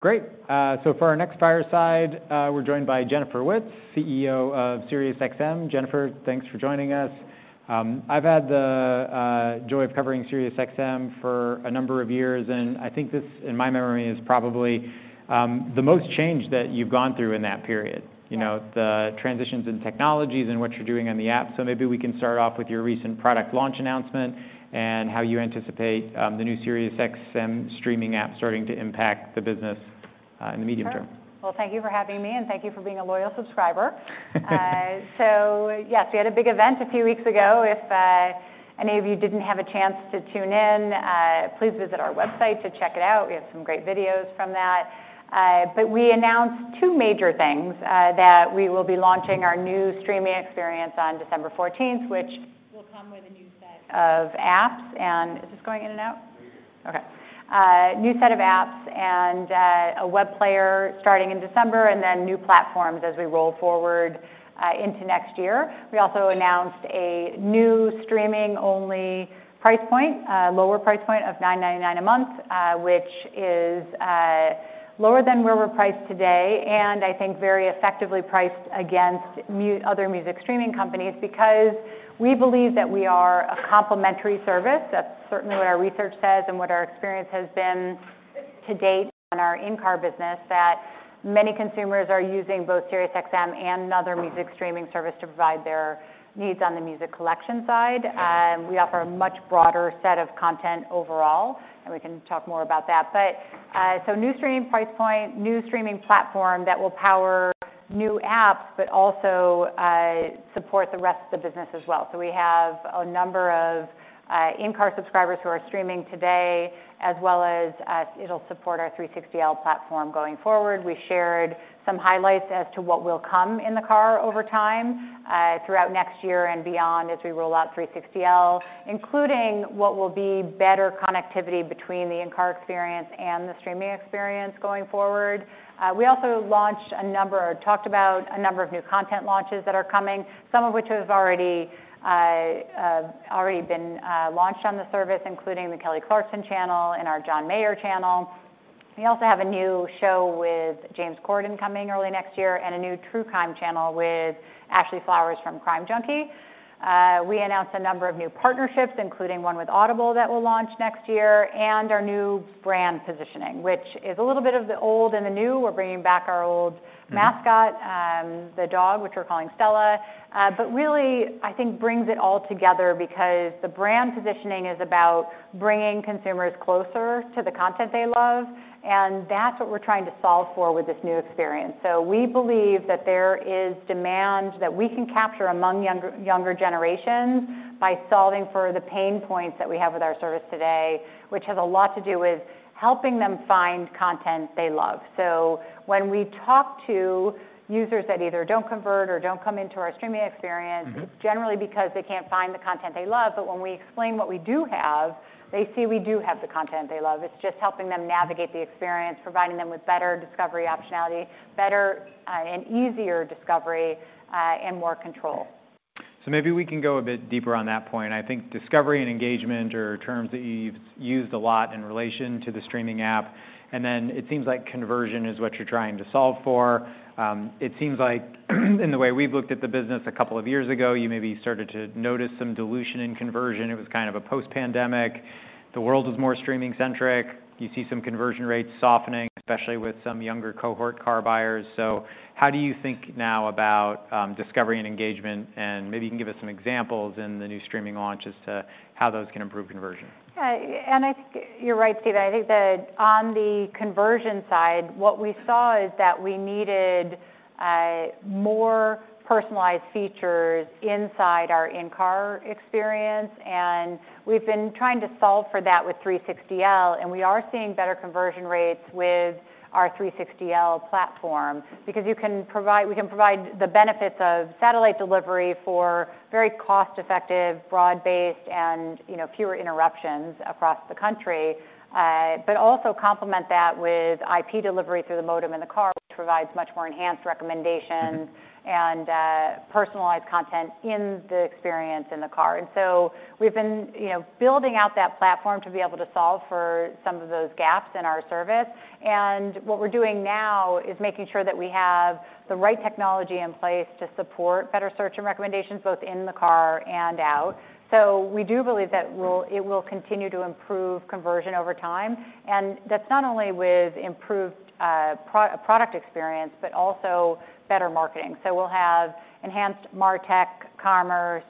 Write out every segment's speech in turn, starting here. Great. So for our next fireside, we're joined by Jennifer Witz, CEO of SiriusXM. Jennifer, thanks for joining us. I've had the joy of covering SiriusXM for a number of years, and I think this, in my memory, is probably the most change that you've gone through in that period. You know, the transitions in technologies and what you're doing on the app. So maybe we can start off with your recent product launch announcement and how you anticipate the new SiriusXM streaming app starting to impact the business in the medium term. Sure. Well, thank you for having me, and thank you for being a loyal subscriber. So yes, we had a big event a few weeks ago. If any of you didn't have a chance to tune in, please visit our website to check it out. We have some great videos from that. But we announced two major things, that we will be launching our new streaming experience on December fourteenth, which will come with a new set of apps and... Is this going in and out? No, you're good. Okay. New set of apps and, a web player starting in December, and then new platforms as we roll forward, into next year. We also announced a new streaming-only price point, lower price point of $9.99 a month, which is lower than we're priced today, and I think very effectively priced against other music streaming companies. Because we believe that we are a complementary service, that's certainly what our research says and what our experience has been to date on our in-car business, that many consumers are using both SiriusXM and another music streaming service to provide their needs on the music collection side. We offer a much broader set of content overall, and we can talk more about that. But, so new streaming price point, new streaming platform that will power new apps, but also support the rest of the business as well. So we have a number of in-car subscribers who are streaming today, as well as it'll support our 360L platform going forward. We shared some highlights as to what will come in the car over time throughout next year and beyond as we roll out 360L, including what will be better connectivity between the in-car experience and the streaming experience going forward. We also launched a number or talked about a number of new content launches that are coming, some of which have already been launched on the service, including the Kelly Clarkson channel and our John Mayer channel. We also have a new show with James Corden coming early next year, and a new true crime channel with Ashley Flowers from Crime Junkie. We announced a number of new partnerships, including one with Audible that will launch next year, and our new brand positioning, which is a little bit of the old and the new. We're bringing back our old mascot- Mm-hmm... the dog, which we're calling Stella. But really, I think brings it all together because the brand positioning is about bringing consumers closer to the content they love, and that's what we're trying to solve for with this new experience. So we believe that there is demand that we can capture among younger, younger generations by solving for the pain points that we have with our service today, which has a lot to do with helping them find content they love. So when we talk to users that either don't convert or don't come into our streaming experience. Mm-hmm... it's generally because they can't find the content they love. But when we explain what we do have, they see we do have the content they love. It's just helping them navigate the experience, providing them with better discovery optionality, better, and easier discovery, and more control. So maybe we can go a bit deeper on that point. I think discovery and engagement are terms that you've used a lot in relation to the streaming app. And then it seems like conversion is what you're trying to solve for. It seems like in the way we've looked at the business a couple of years ago, you maybe started to notice some dilution in conversion. It was kind of a post-pandemic. The world was more streaming-centric. You see some conversion rates softening, especially with some younger cohort car buyers. So how do you think now about, discovery and engagement? And maybe you can give us some examples in the new streaming launch as to how those can improve conversion. And I think you're right, Steve. I think that on the conversion side, what we saw is that we needed more personalized features inside our in-car experience, and we've been trying to solve for that with 360L. We are seeing better conversion rates with our 360L platform. Because you can provide—we can provide the benefits of satellite delivery for very cost-effective, broad-based, and, you know, fewer interruptions across the country, but also complement that with IP delivery through the modem in the car, which provides much more enhanced recommendations. Mm-hmm ... and, personalized content in the experience in the car. And so we've been, you know, building out that platform to be able to solve for some of those gaps in our service. And what we're doing now is making sure that we have the right technology in place to support better search and recommendations, both in the car and out. So we do believe that it will continue to improve conversion over time, and that's not only with improved product experience, but also better marketing. So we'll have enhanced martech, commerce,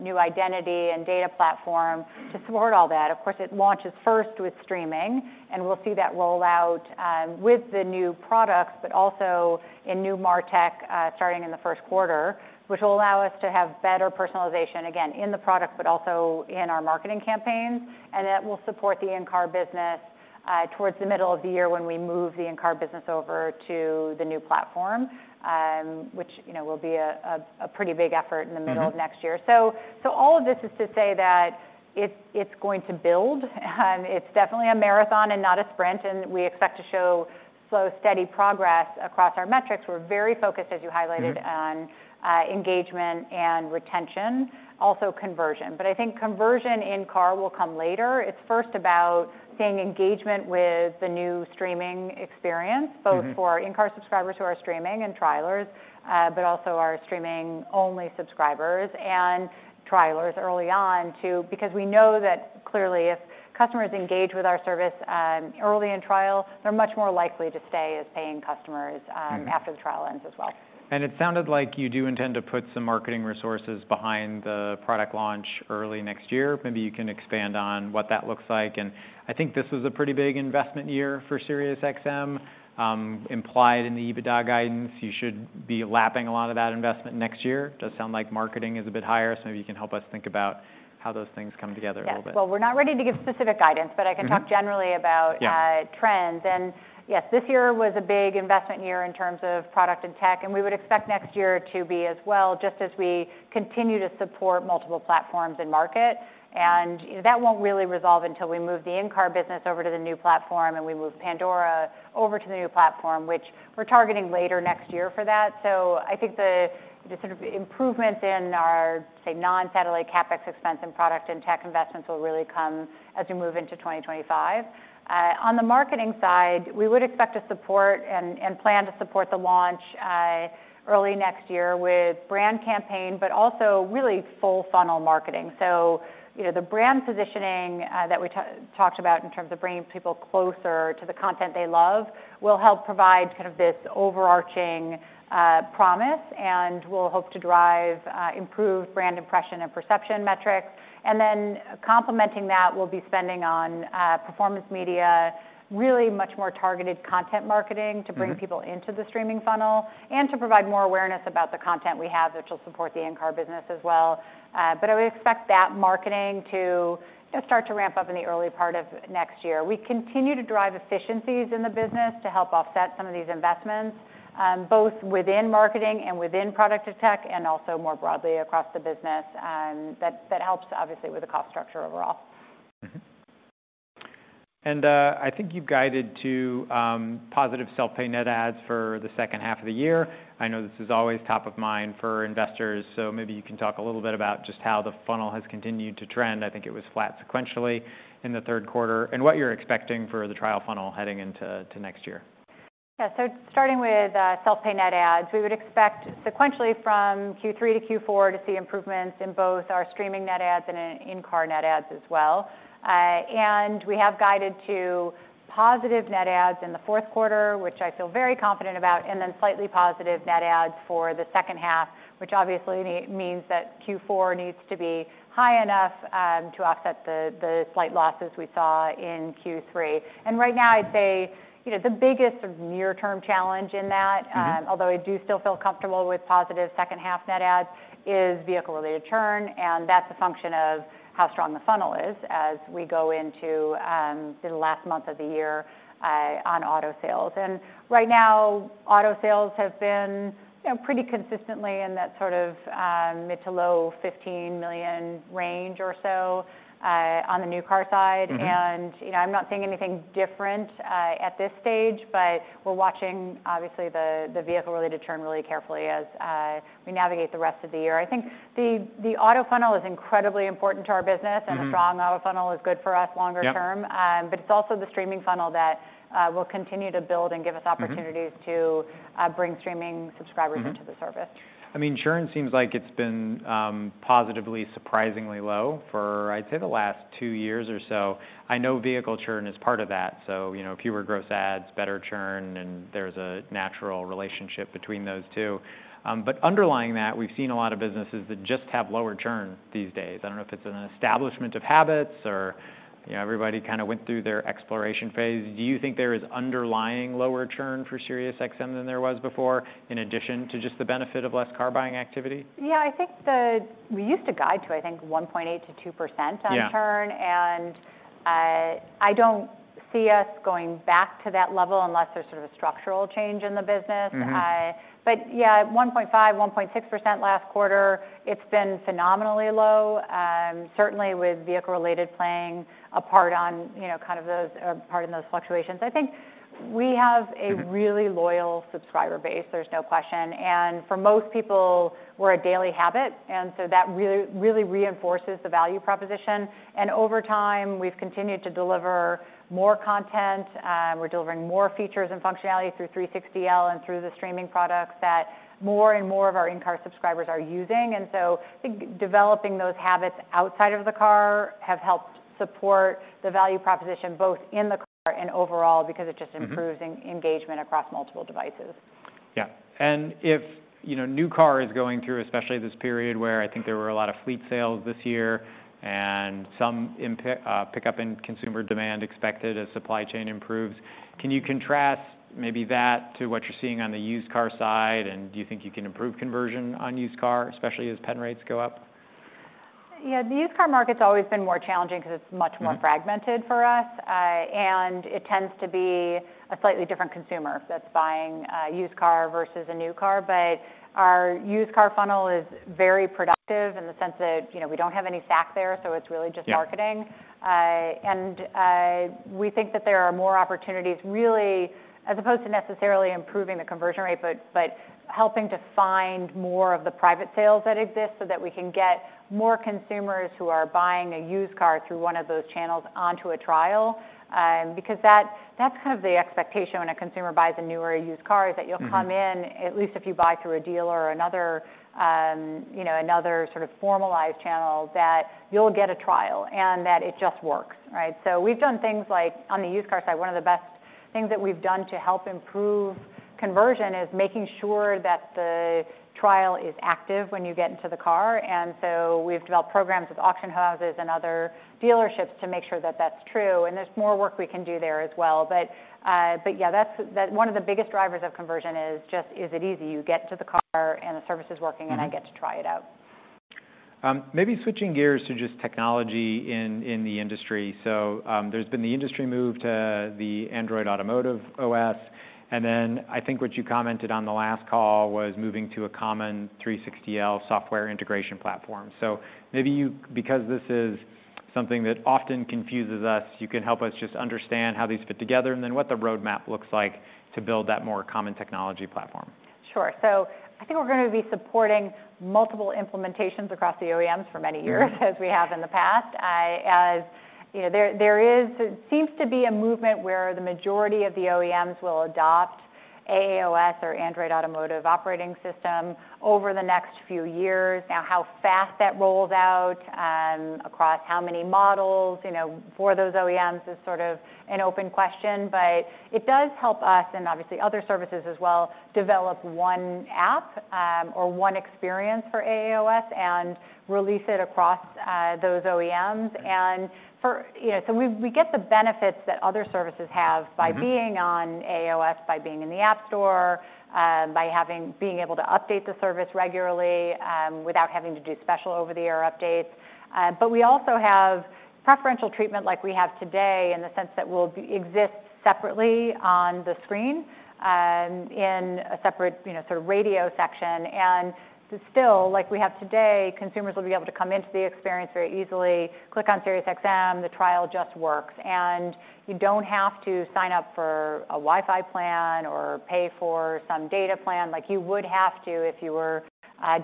new identity, and data platform to support all that. Of course, it launches first with streaming, and we'll see that roll out with the new products, but also in new martech starting in the first quarter. Which will allow us to have better personalization, again, in the product, but also in our marketing campaigns, and that will support the in-car business towards the middle of the year when we move the in-car business over to the new platform, which, you know, will be a pretty big effort in the middle of next year. Mm-hmm. So all of this is to say that it's going to build, and it's definitely a marathon and not a sprint, and we expect to show slow, steady progress across our metrics. We're very focused, as you highlighted- Mm-hmm... on engagement and retention, also conversion. But I think conversion in-car will come later. It's first about seeing engagement with the new streaming experience- Mm-hmm... both for in-car subscribers who are streaming and trialers, but also our streaming-only subscribers and trialers early on, too. Because we know that, clearly, if customers engage with our service, early in trial, they're much more likely to stay as paying customers, Mm-hmm... after the trial ends as well. It sounded like you do intend to put some marketing resources behind the product launch early next year. Maybe you can expand on what that looks like. I think this was a pretty big investment year for SiriusXM, implied in the EBITDA guidance. You should be lapping a lot of that investment next year. Does sound like marketing is a bit higher, so maybe you can help us think about how those things come together a little bit. Yes. Well, we're not ready to give specific guidance- Mm-hmm... but I can talk generally about- Yeah... trends. Yes, this year was a big investment year in terms of product and tech, and we would expect next year to be as well, just as we continue to support multiple platforms in market. And, you know, that won't really resolve until we move the in-car business over to the new platform and we move Pandora over to the new platform, which we're targeting later next year for that. So I think the sort of improvement in our, say, non-satellite CapEx expense and product and tech investments will really come as we move into 2025. On the marketing side, we would expect to support and plan to support the launch early next year with brand campaign, but also really full funnel marketing. You know, the brand positioning that we talked about in terms of bringing people closer to the content they love will help provide kind of this overarching promise and will hope to drive improved brand impression and perception metrics. And then complementing that, we'll be spending on performance media, really much more targeted content marketing- Mm-hmm... to bring people into the streaming funnel and to provide more awareness about the content we have, which will support the in-car business as well. But I would expect that marketing to, you know, start to ramp up in the early part of next year. We continue to drive efficiencies in the business to help offset some of these investments, both within marketing and within product and tech, and also more broadly across the business. That, that helps, obviously, with the cost structure overall. Mm-hmm. And I think you've guided to positive self-pay net adds for the second half of the year. I know this is always top of mind for investors, so maybe you can talk a little bit about just how the funnel has continued to trend. I think it was flat sequentially in the third quarter, and what you're expecting for the trial funnel heading into next year. Yeah. So starting with self-pay net adds, we would expect sequentially from Q3 to Q4 to see improvements in both our streaming net adds and in-car net adds as well. And we have guided to positive net adds in the fourth quarter, which I feel very confident about, and then slightly positive net adds for the second half, which obviously means that Q4 needs to be high enough to offset the slight losses we saw in Q3. And right now, I'd say, you know, the biggest sort of near-term challenge in that- Mm-hmm... although I do still feel comfortable with positive second half net adds, is vehicle-related churn, and that's a function of how strong the funnel is as we go into, the last month of the year, on auto sales. And right now, auto sales have been, you know, pretty consistently in that sort of, mid- to low-15 million range or so, on the new car side. Mm-hmm. And, you know, I'm not seeing anything different at this stage, but we're watching, obviously, the vehicle-related churn really carefully as we navigate the rest of the year. I think the auto funnel is incredibly important to our business. Mm-hmm... and a strong auto funnel is good for us longer term. Yep. But it's also the streaming funnel that we'll continue to build and give us opportunities- Mm-hmm... to, bring streaming subscribers- Mm-hmm... into the service. I mean, churn seems like it's been positively surprisingly low for, I'd say, the last two years or so. I know vehicle churn is part of that, so, you know, fewer gross adds, better churn, and there's a natural relationship between those two. But underlying that, we've seen a lot of businesses that just have lower churn these days. I don't know if it's an establishment of habits or, you know, everybody kind of went through their exploration phase. Do you think there is underlying lower churn for SiriusXM than there was before, in addition to just the benefit of less car-buying activity? Yeah, I think we used to guide to, I think, 1.8%-2% on churn. Yeah. I don't see us going back to that level unless there's sort of a structural change in the business. Mm-hmm. But yeah, at 1.5%-1.6% last quarter, it's been phenomenally low, certainly with vehicle-related playing a part on, you know, kind of those, part in those fluctuations. I think we have- Mm-hmm... a really loyal subscriber base, there's no question. For most people, we're a daily habit, and so that really, really reinforces the value proposition. Over time, we've continued to deliver more content, we're delivering more features and functionality through 360L and through the streaming products that more and more of our in-car subscribers are using. So I think developing those habits outside of the car have helped support the value proposition, both in the car and overall, because it just- Mm-hmm... improves engagement across multiple devices. Yeah. And if, you know, new car is going through, especially this period, where I think there were a lot of fleet sales this year and some impending pickup in consumer demand expected as supply chain improves, can you contrast maybe that to what you're seeing on the used car side? And do you think you can improve conversion on used car, especially as pen rates go up?... Yeah, the used car market's always been more challenging because it's much more- Mm-hmm fragmented for us. And it tends to be a slightly different consumer that's buying a used car versus a new car. But our used car funnel is very productive in the sense that, you know, we don't have any stack there, so it's really just- Yeah Marketing. And we think that there are more opportunities, really, as opposed to necessarily improving the conversion rate, but helping to find more of the private sales that exist so that we can get more consumers who are buying a used car through one of those channels onto a trial. Because that's kind of the expectation when a consumer buys a new or a used car, is that- Mm-hmm You'll come in, at least if you buy through a dealer or another, you know, another sort of formalized channel, that you'll get a trial and that it just works, right? So we've done things like on the used car side, one of the best things that we've done to help improve conversion is making sure that the trial is active when you get into the car. And so we've developed programs with auction houses and other dealerships to make sure that that's true, and there's more work we can do there as well. But, but yeah, that's one of the biggest drivers of conversion is just: is it easy? You get to the car, and the service is working. Mm-hmm. and I get to try it out. Maybe switching gears to just technology in the industry. So, there's been the industry move to the Android Automotive OS, and then I think what you commented on the last call was moving to a common 360L software integration platform. So maybe you, because this is something that often confuses us, you can help us just understand how these fit together and then what the roadmap looks like to build that more common technology platform. Sure. So I think we're going to be supporting multiple implementations across the OEMs for many years- Mm-hmm. - as we have in the past. As you know, there seems to be a movement where the majority of the OEMs will adopt AAOS or Android Automotive Operating System over the next few years. Now, how fast that rolls out across how many models, you know, for those OEMs is sort of an open question. But it does help us, and obviously other services as well, develop one app or one experience for AAOS and release it across those OEMs. And for... You know, so we get the benefits that other services have- Mm-hmm by being on AAOS, by being in the App Store, by having being able to update the service regularly, without having to do special over-the-air updates. But we also have preferential treatment like we have today, in the sense that we'll exist separately on the screen, in a separate, you know, sort of radio section. And still, like we have today, consumers will be able to come into the experience very easily, click on SiriusXM, the trial just works. And you don't have to sign up for a Wi-Fi plan or pay for some data plan like you would have to if you were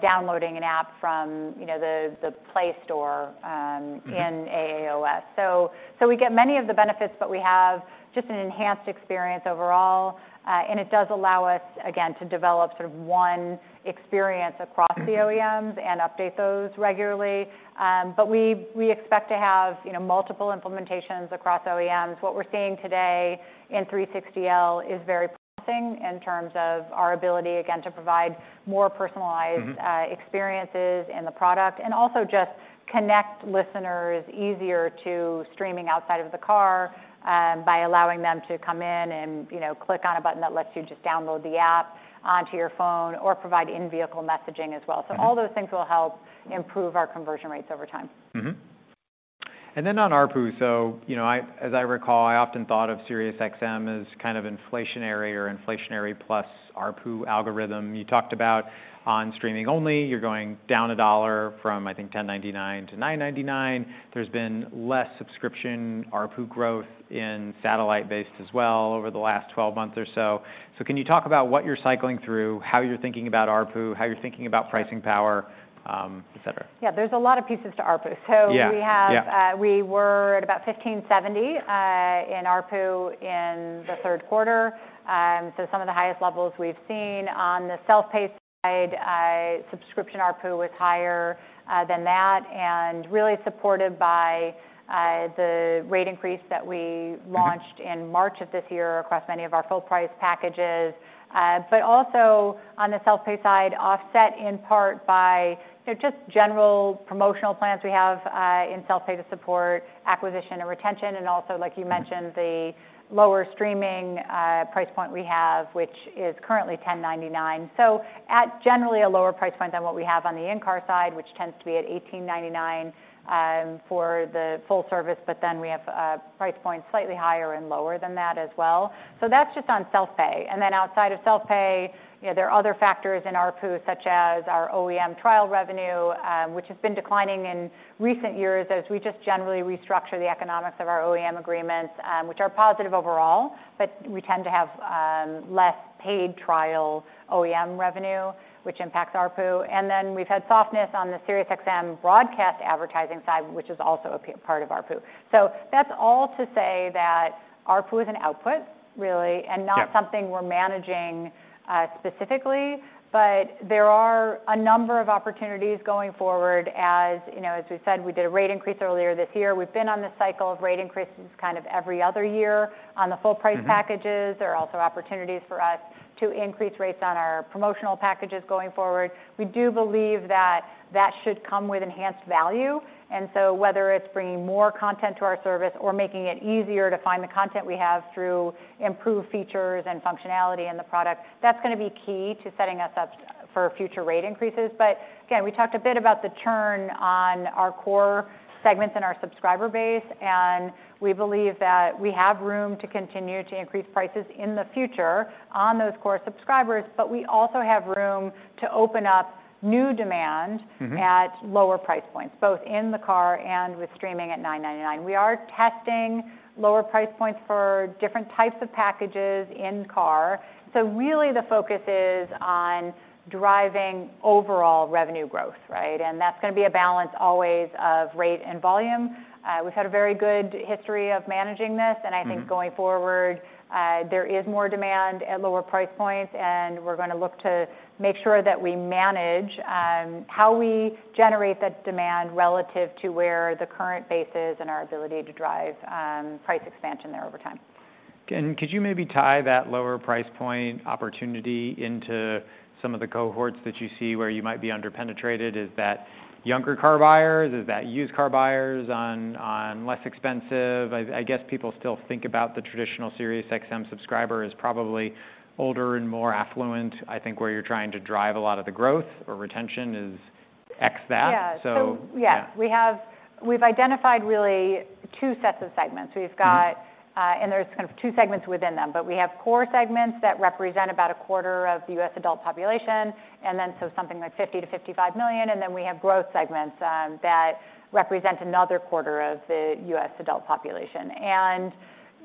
downloading an app from, you know, the, the Play Store. Mm-hmm... in AAOS. So, so we get many of the benefits, but we have just an enhanced experience overall. And it does allow us, again, to develop sort of one experience across- Mm-hmm the OEMs and update those regularly. But we expect to have, you know, multiple implementations across OEMs. What we're seeing today in 360L is very promising in terms of our ability, again, to provide more personalized- Mm-hmm... experiences in the product, and also just connect listeners easier to streaming outside of the car, by allowing them to come in and, you know, click on a button that lets you just download the app onto your phone or provide in-vehicle messaging as well. Mm-hmm. All those things will help improve our conversion rates over time. Mm-hmm. And then on ARPU, so, you know, I, as I recall, I often thought of SiriusXM as kind of inflationary or inflationary plus ARPU algorithm. You talked about on streaming only, you're going down $1 from, I think, $10.99 to $9.99. There's been less subscription ARPU growth in satellite-based as well over the last 12 months or so. So can you talk about what you're cycling through, how you're thinking about ARPU, how you're thinking about pricing power, et cetera? Yeah, there's a lot of pieces to ARPU. Yeah, yeah. So we have. We were at about $15.70 in ARPU in the third quarter. So some of the highest levels we've seen on the self-pay side, subscription ARPU was higher than that and really supported by the rate increase that we- Mm-hmm... launched in March of this year across many of our full price packages. But also on the self-pay side, offset in part by, you know, just general promotional plans we have, in self-pay to support acquisition and retention, and also, like you mentioned- Mm-hmm... the lower streaming price point we have, which is currently $10.99. So at generally a lower price point than what we have on the in-car side, which tends to be at $18.99 for the full service, but then we have price points slightly higher and lower than that as well. So that's just on self-pay. And then outside of self-pay, you know, there are other factors in ARPU, such as our OEM trial revenue which has been declining in recent years as we just generally restructure the economics of our OEM agreements which are positive overall. But we tend to have less paid trial OEM revenue, which impacts ARPU. And then we've had softness on the SiriusXM broadcast advertising side, which is also a part of ARPU. So that's all to say that ARPU is an output, really- Yeah... and not something we're managing, specifically, but there are a number of opportunities going forward. As, you know, as we said, we did a rate increase earlier this year. We've been on this cycle of rate increases kind of every other year on the full price packages. Mm-hmm. There are also opportunities for us to increase rates on our promotional packages going forward. We do believe that that should come with enhanced value, and so whether it's bringing more content to our service or making it easier to find the content we have through improved features and functionality in the product, that's gonna be key to setting us up for future rate increases. But again, we talked a bit about the turn on our core segments in our subscriber base, and we believe that we have room to continue to increase prices in the future on those core subscribers. But we also have room to open up new demand- Mm-hmm. At lower price points, both in the car and with streaming at $9.99. We are testing lower price points for different types of packages in-car. So really, the focus is on driving overall revenue growth, right? And that's gonna be a balance always of rate and volume. We've had a very good history of managing this. Mm-hmm. I think going forward, there is more demand at lower price points, and we're gonna look to make sure that we manage how we generate that demand relative to where the current base is and our ability to drive price expansion there over time. Could you maybe tie that lower price point opportunity into some of the cohorts that you see where you might be under-penetrated? Is that younger car buyers? Is that used car buyers on less expensive-- I guess people still think about the traditional SiriusXM subscriber as probably older and more affluent. I think where you're trying to drive a lot of the growth or retention is X that. Yeah. So, yeah. Yeah, we've identified really two sets of segments. Mm-hmm. We've got. There's kind of two segments within them, but we have core segments that represent about a quarter of the U.S. adult population, and then so something like 50-55 million, and then we have growth segments that represent another quarter of the U.S. adult population.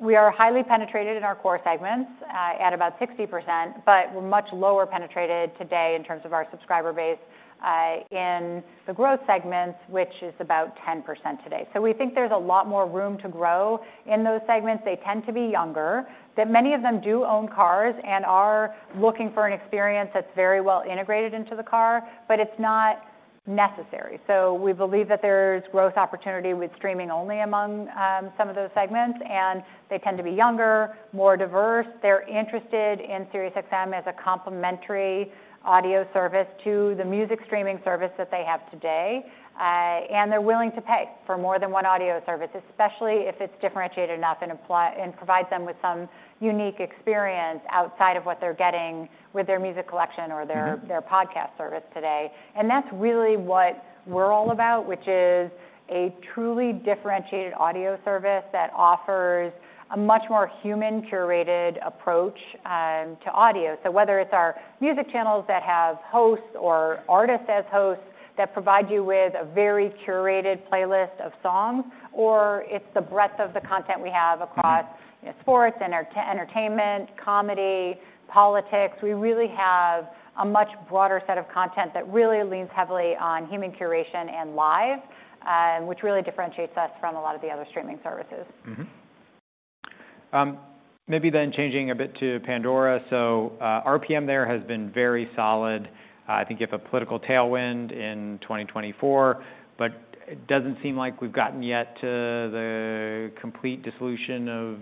We are highly penetrated in our core segments at about 60%, but we're much lower penetrated today in terms of our subscriber base in the growth segments, which is about 10% today. We think there's a lot more room to grow in those segments. They tend to be younger, that many of them do own cars and are looking for an experience that's very well integrated into the car, but it's not necessary. So we believe that there's growth opportunity with streaming only among some of those segments, and they tend to be younger, more diverse. They're interested in SiriusXM as a complementary audio service to the music streaming service that they have today. And they're willing to pay for more than one audio service, especially if it's differentiated enough and provides them with some unique experience outside of what they're getting with their music collection or their- Mm-hmm... their podcast service today. And that's really what we're all about, which is a truly differentiated audio service that offers a much more human-curated approach to audio. So whether it's our music channels that have hosts or artists as hosts, that provide you with a very curated playlist of songs, or it's the breadth of the content we have across- Mm-hmm... you know, sports, entertainment, comedy, politics. We really have a much broader set of content that really leans heavily on human curation and live, which really differentiates us from a lot of the other streaming services. Mm-hmm. Maybe then changing a bit to Pandora. So, RPM there has been very solid, I think, you have a political tailwind in 2024, but it doesn't seem like we've gotten yet to the complete dissolution of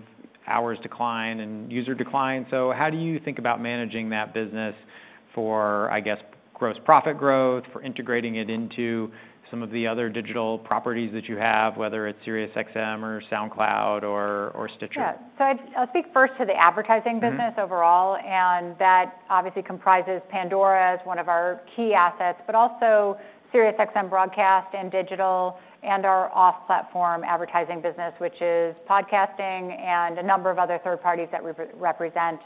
hours decline and user decline. So how do you think about managing that business for, I guess, gross profit growth, for integrating it into some of the other digital properties that you have, whether it's SiriusXM or SoundCloud or, or Stitcher? Yeah. So I'll speak first to the advertising business- Mm-hmm... overall, and that obviously comprises Pandora as one of our key assets, but also SiriusXM broadcast and digital, and our off-platform advertising business, which is podcasting and a number of other third parties that represent,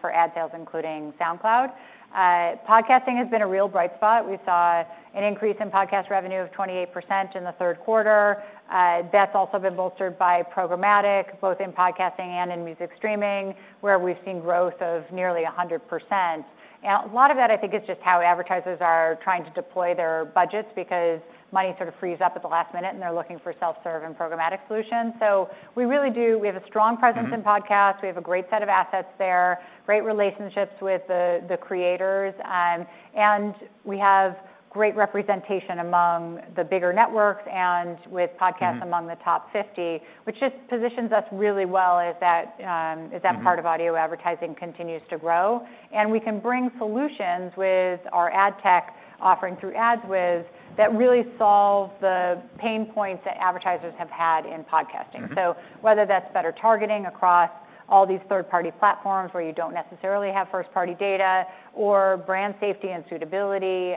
for ad sales, including SoundCloud. Podcasting has been a real bright spot. We saw an increase in podcast revenue of 28% in the third quarter. That's also been bolstered by programmatic, both in podcasting and in music streaming, where we've seen growth of nearly 100%. And a lot of that, I think, is just how advertisers are trying to deploy their budgets because money sort of frees up at the last minute, and they're looking for self-serve and programmatic solutions. So we really do-- We have a strong presence- Mm-hmm... in podcasts. We have a great set of assets there, great relationships with the creators. And we have great representation among the bigger networks and with podcasts- Mm-hmm... among the top 50, which just positions us really well as that, as that- Mm-hmm... part of audio advertising continues to grow. We can bring solutions with our ad tech offering through AdsWizz, that really solve the pain points that advertisers have had in podcasting. Mm-hmm. So whether that's better targeting across all these third-party platforms, where you don't necessarily have first-party data, or brand safety and suitability,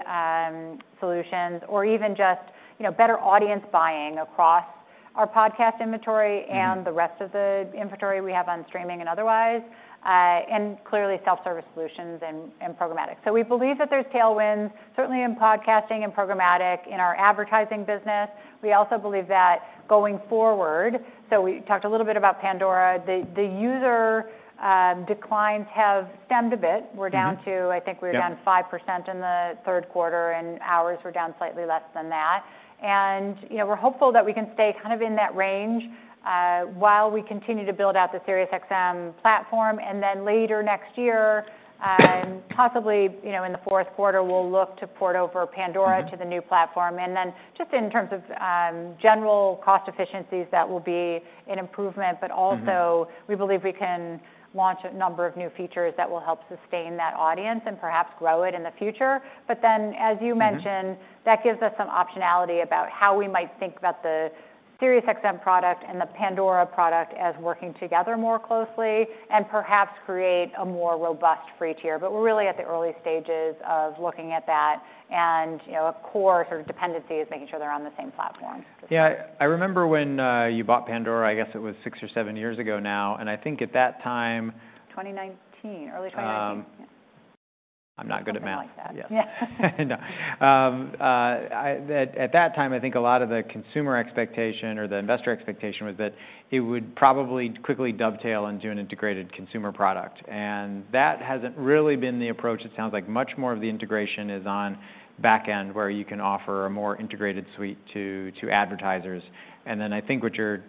solutions, or even just, you know, better audience buying across our podcast inventory- Mm-hmm... and the rest of the inventory we have on streaming and otherwise, and clearly, self-service solutions and programmatic. So we believe that there's tailwinds, certainly in podcasting and programmatic in our advertising business. We also believe that going forward... So we talked a little bit about Pandora. The user declines have stemmed a bit. Mm-hmm. We're down to, I think- Yeah... we're down 5% in the third quarter, and hours were down slightly less than that. And, you know, we're hopeful that we can stay kind of in that range while we continue to build out the SiriusXM platform. And then later next year, possibly, you know, in the fourth quarter, we'll look to port over Pandora- Mm-hmm... to the new platform. Then just in terms of general cost efficiencies, that will be an improvement. Mm-hmm. But also, we believe we can launch a number of new features that will help sustain that audience and perhaps grow it in the future. But then, as you mentioned- Mm-hmm... that gives us some optionality about how we might think about the SiriusXM product and the Pandora product as working together more closely and perhaps create a more robust free tier. But we're really at the early stages of looking at that, and, you know, a core sort of dependency is making sure they're on the same platform to start. Yeah. I remember when you bought Pandora, I guess it was six or seven years ago now, and I think at that time- 2019. Early 2019, yeah. ... I'm not good at math. Something like that. Yeah. No. At that time, I think a lot of the consumer expectation or the investor expectation was that it would probably quickly dovetail into an integrated consumer product, and that hasn't really been the approach. It sounds like much more of the integration is on back end, where you can offer a more integrated suite to advertisers. And then I think what you're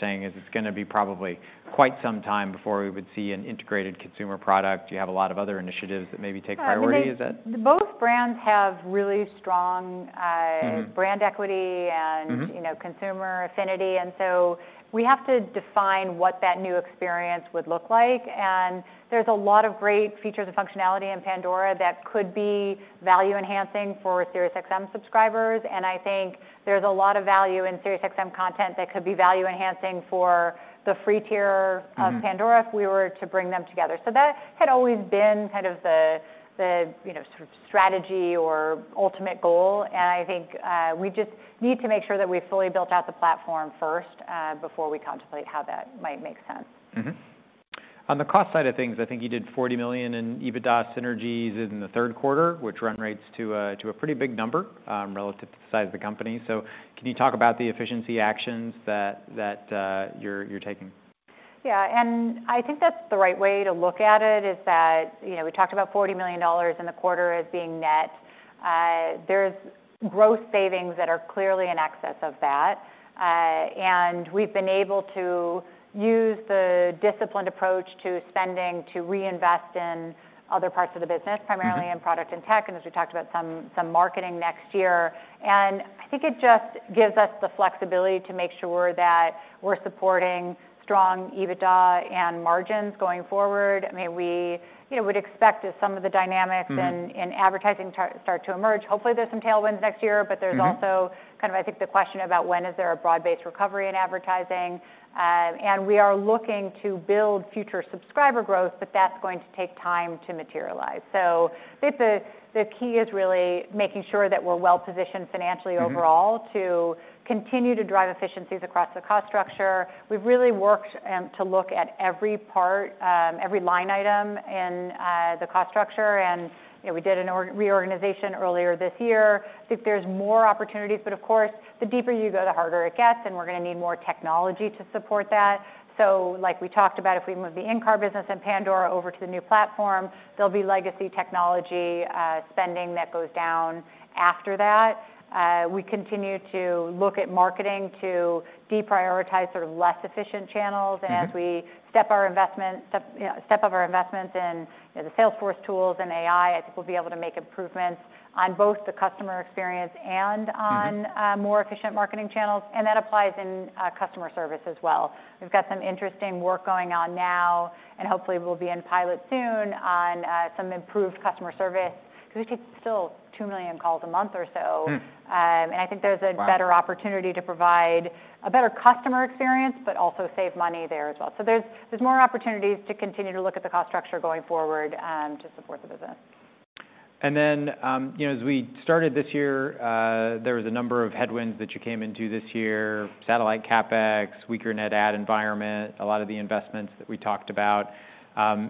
saying is it's gonna be probably quite some time before we would see an integrated consumer product. You have a lot of other initiatives that maybe take priority. Is that- Both brands have really strong, Mm-hmm... brand equity and- Mm-hmm... you know, consumer affinity, and so we have to define what that new experience would look like. And there's a lot of great features and functionality in Pandora that could be value-enhancing for SiriusXM subscribers, and I think there's a lot of value in SiriusXM content that could be value-enhancing for the free tier- Mm-hmm... of Pandora if we were to bring them together. So that had always been kind of the you know sort of strategy or ultimate goal, and I think we just need to make sure that we've fully built out the platform first before we contemplate how that might make sense. Mm-hmm. On the cost side of things, I think you did $40 million in EBITDA synergies in the third quarter, which run rates to a pretty big number, relative to the size of the company. So can you talk about the efficiency actions that you're taking? Yeah, and I think that's the right way to look at it, is that, you know, we talked about $40 million in the quarter as being net. There's growth savings that are clearly in excess of that, and we've been able to use the disciplined approach to spending to reinvest in other parts of the business- Mm-hmm... primarily in product and tech, and as we talked about some, some marketing next year. And I think it just gives us the flexibility to make sure that we're supporting strong EBITDA and margins going forward. I mean, we, you know, would expect as some of the dynamics- Mm-hmm... in advertising start to emerge. Hopefully, there's some tailwinds next year, but there's- Mm-hmm... also kind of, I think, the question about when is there a broad-based recovery in advertising? And we are looking to build future subscriber growth, but that's going to take time to materialize. So I think the key is really making sure that we're well-positioned financially overall- Mm-hmm... to continue to drive efficiencies across the cost structure. We've really worked to look at every part, every line item in the cost structure, and, you know, we did a reorganization earlier this year. I think there's more opportunities, but of course, the deeper you go, the harder it gets, and we're gonna need more technology to support that. So like we talked about, if we move the in-car business in Pandora over to the new platform, there'll be legacy technology spending that goes down after that. We continue to look at marketing to deprioritize sort of less efficient channels. Mm-hmm. As we step up our investments in, you know, the Salesforce tools and AI, I think we'll be able to make improvements on both the customer experience and on- Mm-hmm... more efficient marketing channels, and that applies in customer service as well. We've got some interesting work going on now, and hopefully, we'll be in pilot soon on some improved customer service because we take still 2 million calls a month or so. Hmm. And I think there's a- Wow... better opportunity to provide a better customer experience, but also save money there as well. So there's more opportunities to continue to look at the cost structure going forward to support the business. And then, you know, as we started this year, there was a number of headwinds that you came into this year, satellite CapEx, weaker net add environment, a lot of the investments that we talked about.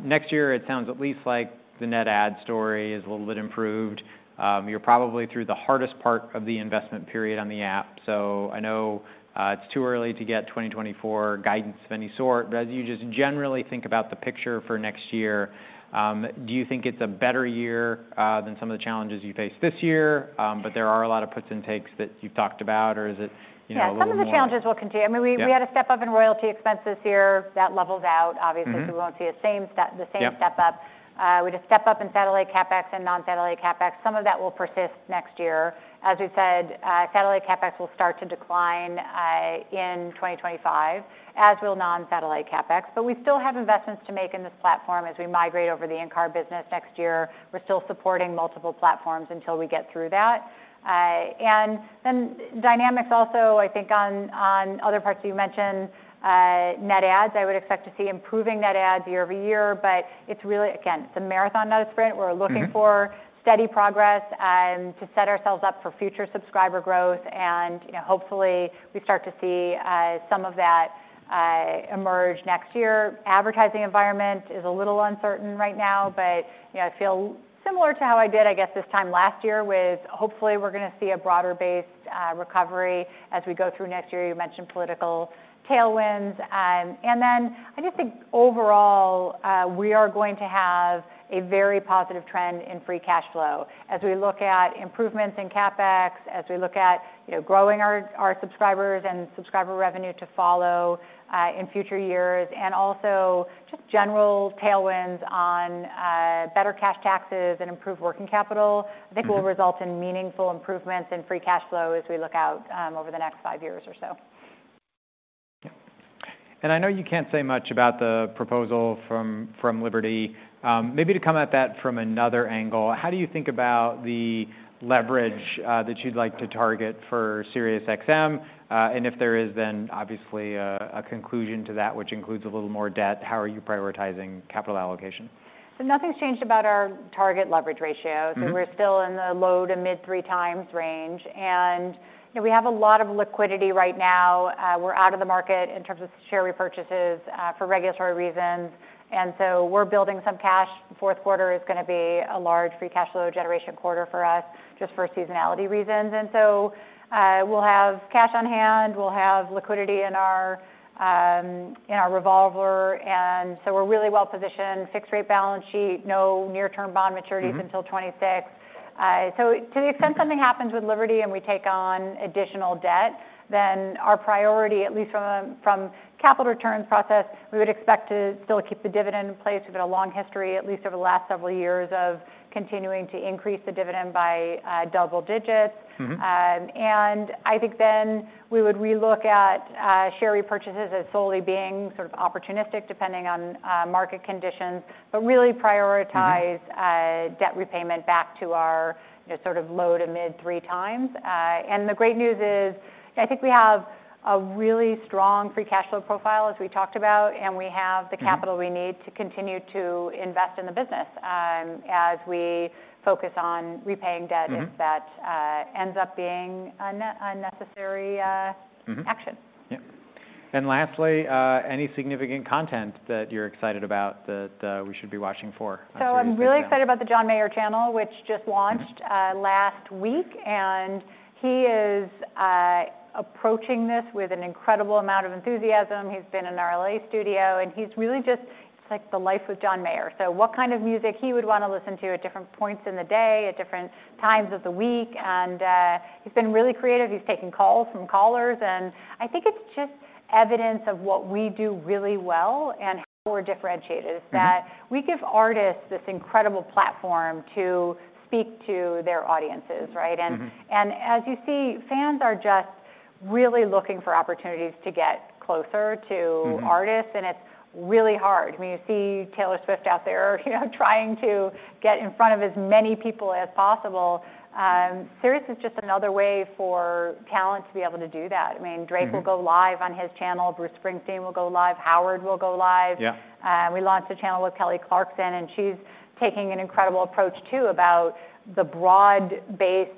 Next year, it sounds at least like the net add story is a little bit improved. You're probably through the hardest part of the investment period on the app. So I know, it's too early to get 2024 guidance of any sort, but as you just generally think about the picture for next year, do you think it's a better year than some of the challenges you faced this year? But there are a lot of puts and takes that you've talked about, or is it, you know, a little more- Yeah, some of the challenges will continue. Yeah. I mean, we had a step up in royalty expenses this year. That levels out, obviously- Mm-hmm... so we won't see the same step- Yep... the same step up. We had a step up in satellite CapEx and non-satellite CapEx. Some of that will persist next year. As we've said, satellite CapEx will start to decline in 2025, as will non-satellite CapEx. But we still have investments to make in this platform as we migrate over the in-car business next year. We're still supporting multiple platforms until we get through that. And then dynamics also, I think, on other parts, you mentioned, net adds. I would expect to see improving net adds year-over-year, but it's really, again, it's a marathon, not a sprint. Mm-hmm. We're looking for steady progress, to set ourselves up for future subscriber growth, and, you know, hopefully, we start to see, some of that, emerge next year. Advertising environment is a little uncertain right now, but, you know, I feel similar to how I did, I guess, this time last year, with hopefully we're gonna see a broader-based, recovery as we go through next year. You mentioned political tailwinds. And then I just think overall, we are going to have a very positive trend in free cash flow. As we look at improvements in CapEx, as we look at, you know, growing our, our subscribers and subscriber revenue to follow, in future years, and also just general tailwinds on, better cash taxes and improved working capital- Mm-hmm... I think will result in meaningful improvements in free cash flow as we look out, over the next five years or so. I know you can't say much about the proposal from, from Liberty. Maybe to come at that from another angle: how do you think about the leverage that you'd like to target for SiriusXM? And if there is, then obviously a conclusion to that, which includes a little more debt, how are you prioritizing capital allocation? Nothing's changed about our target leverage ratio. Mm-hmm. So we're still in the low- to mid-3x range, and, you know, we have a lot of liquidity right now. We're out of the market in terms of share repurchases, for regulatory reasons, and so we're building some cash. Fourth quarter is gonna be a large free cash flow generation quarter for us, just for seasonality reasons. And so, we'll have cash on hand, we'll have liquidity in our, in our revolver, and so we're really well-positioned. Fixed-rate balance sheet, no near-term bond maturities until 2026. So to the extent something happens with Liberty and we take on additional debt, then our priority, at least from a, from capital returns process, we would expect to still keep the dividend in place. We've got a long history, at least over the last several years, of continuing to increase the dividend by double digits. Mm-hmm. I think then we would relook at share repurchases as solely being sort of opportunistic, depending on market conditions, but really prioritize- Mm-hmm... debt repayment back to our, you know, sort of low- to mid-3 times. The great news is, I think we have a really strong free cash flow profile, as we talked about, and we have the- Mm-hmm... capital we need to continue to invest in the business, as we focus on repaying debt- Mm-hmm... if that ends up being a necessary... Mm-hmm... action. Yep. And lastly, any significant content that you're excited about that we should be watching for on SiriusXM? I'm really excited about the John Mayer channel, which just launched. Mm... last week, and he is, approaching this with an incredible amount of enthusiasm. He's been in our L.A. studio, and he's really just... It's, like, the life of John Mayer. So what kind of music he would want to listen to at different points in the day, at different times of the week, and, he's been really creative. He's taking calls from callers, and I think it's just evidence of what we do really well and how we're differentiated- Mm-hmm... is that we give artists this incredible platform to speak to their audiences, right? Mm-hmm. And as you see, fans are just really looking for opportunities to get closer to- Mm-hmm... artists, and it's really hard. I mean, you see Taylor Swift out there, you know, trying to get in front of as many people as possible. Sirius is just another way for talent to be able to do that. I mean- Mm-hmm... Drake will go live on his channel. Bruce Springsteen will go live. Howard will go live. Yeah. We launched a channel with Kelly Clarkson, and she's taking an incredible approach, too, about the broad-based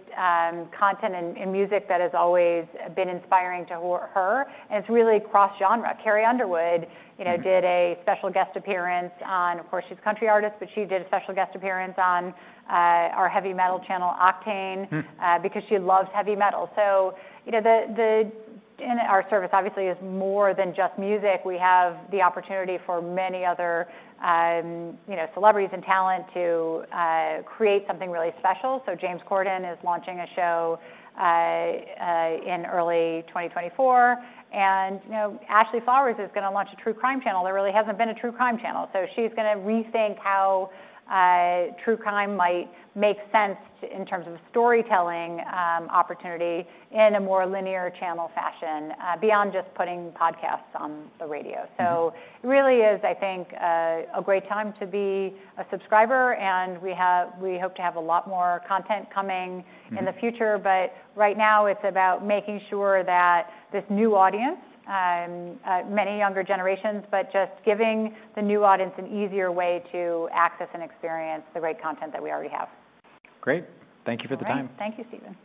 content and music that has always been inspiring to her, and it's really cross-genre. Carrie Underwood, you know- Mm... did a special guest appearance on... Of course, she's a country artist, but she did a special guest appearance on our heavy metal channel, Octane- Mm... because she loves heavy metal. So you know, and our service obviously is more than just music. We have the opportunity for many other, you know, celebrities and talent to create something really special. So James Corden is launching a show in early 2024, and, you know, Ashley Flowers is gonna launch a true crime channel. There really hasn't been a true crime channel. So she's gonna rethink how true crime might make sense in terms of a storytelling opportunity in a more linear channel fashion beyond just putting podcasts on the radio. Mm-hmm. It really is, I think, a great time to be a subscriber, and we hope to have a lot more content coming... Mm... in the future. But right now, it's about making sure that this new audience, many younger generations, but just giving the new audience an easier way to access and experience the great content that we already have. Great. Thank you for the time. All right. Thank you, Steven.